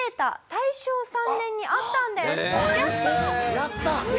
やったー！